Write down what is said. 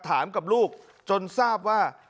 ถามกับลูกจนทราบว่า